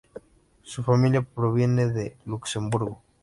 Su familia provenía de Luxemburgo.